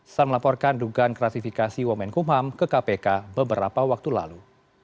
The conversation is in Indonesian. setelah melaporkan dugaan kratifikasi women kumham ke kpk beberapa waktu lalu